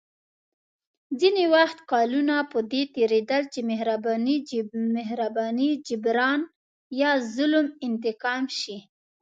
ځینې وختونه کلونه په دې تېرېدل چې مهرباني جبران یا ظلم انتقام شي.